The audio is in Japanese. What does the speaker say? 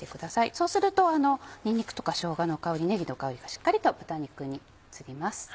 そうするとにんにくとかしょうがの香りねぎの香りがしっかりと豚肉に移ります。